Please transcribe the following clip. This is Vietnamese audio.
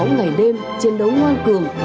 suốt năm mươi sáu ngày đêm chiến đấu ngoan cường